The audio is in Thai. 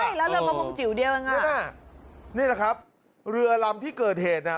ใช่แล้วเรือประมงจิ๋วเดียวยังไงนั่นน่ะนี่แหละครับเรือลำที่เกิดเหตุน่ะ